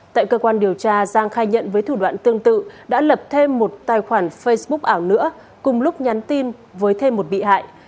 tại cơ quan điều tra giang khai nhận với thủ đoạn tương tự đã lập thêm một tài khoản facebook ảo nữa cùng lúc nhắn tin với thêm một bị hại